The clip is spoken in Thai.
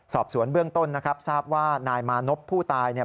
สอบสวนเบื้องต้นทราบว่านายมานกผู้ไต้